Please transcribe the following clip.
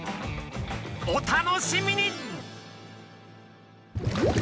お楽しみに！